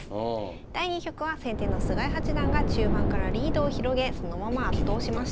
第２局は先手の菅井八段が中盤からリードを広げそのまま圧倒しました。